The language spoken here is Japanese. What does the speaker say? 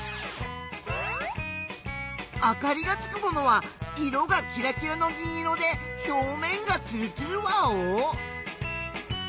あかりがつくものは色がキラキラの銀色でひょうめんがつるつるワオ？